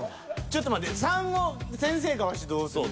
ちょっと待って３を先生かワシどうする？